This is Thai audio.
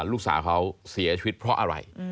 ลูกสาวเขาเสียชีวิตเพราะอะไร